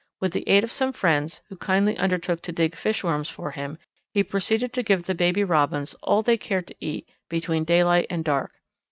With the aid of some friends, who kindly undertook to dig fishworms for him, he proceeded to give the baby Robins all they cared to eat between daylight and dark.